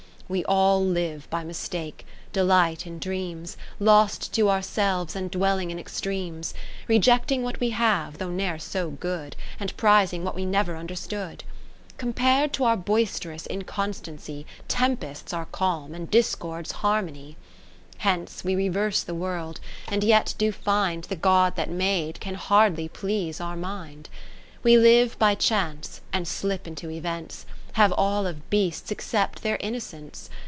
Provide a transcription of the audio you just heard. We all live by mistake, delight in dreams, Lost to ourselves, and dwelling in extremes ; Rejecting whatwe have, though ne'er so good. And prizing what we never under stood. 30 Compar'd t' our boisterous incon stancy Tempests are calm, and Discords harmony. Hence we reverse the A\'orld, and yet do find (570) The God that made can hardly please our mind. We live by chance and slip into events ; Have all of beasts except their innocence.